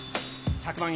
１００万円。